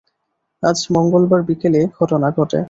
আজ মঙ্গলবার বিকেলে এ ঘটনা ঘটে।